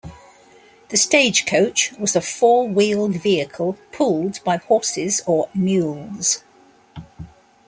The stagecoach was a four-wheeled vehicle pulled by horses or mules.